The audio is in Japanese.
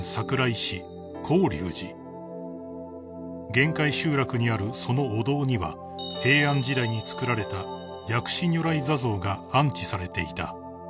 ［限界集落にあるそのお堂には平安時代に作られた薬師如来坐像が安置されていた］